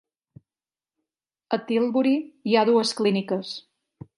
A Tilbury hi ha dues clíniques.